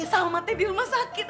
salma teh di rumah sakit